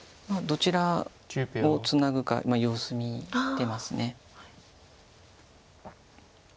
どちらをツナぐか様子見てます。